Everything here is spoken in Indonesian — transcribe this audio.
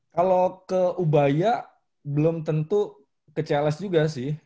kalau ke ubaya belum tentu ke cls juga sih